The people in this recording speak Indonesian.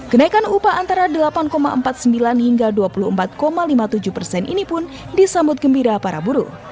kenaikan upah antara delapan empat puluh sembilan hingga dua puluh empat lima puluh tujuh persen ini pun disambut gembira para buruh